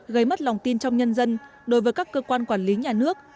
gây mất lòng tin trong nhân dân đối với các cơ quan quản lý nhà nước